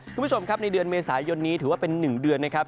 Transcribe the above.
คุณผู้ชมครับในเดือนเมษายนนี้ถือว่าเป็น๑เดือนนะครับ